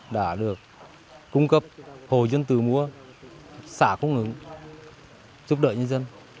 đã được cung cấp hồ dân tử múa xã khúc nướng giúp đỡ nhân dân